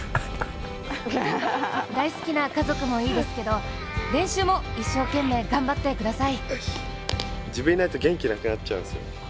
大好きな家族もいいですけど、練習も一生懸命、頑張ってください。